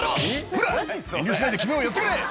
「ほら遠慮しないで君もやってくれ」